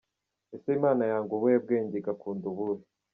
Ese Imana yanga ubuhe bwenge igakunda ubuhe?.